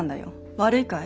悪いかい？